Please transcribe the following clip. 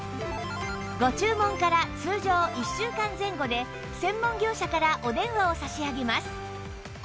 ご注文から通常１週間前後で専門業者からお電話を差し上げます